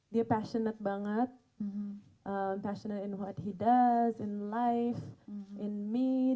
dia sangat bersemangat bersemangat dalam apa yang dia lakukan dalam hidup dalam diri saya